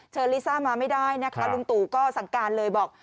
ลิซ่ามาไม่ได้นะคะลุงตู่ก็สั่งการเลยบอก